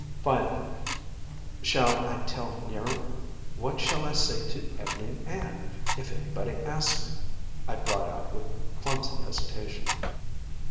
Finally, "Shall I tell 'Niram What shall I say to Ev'leen Ann? If anybody asks me " I brought out with clumsy hesitation.